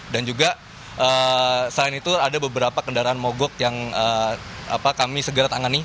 dan juga selain itu ada beberapa kendaraan mogok yang kami segera tangani